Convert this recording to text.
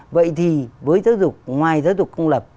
vậy thì với giáo dục ngoài giáo dục công lập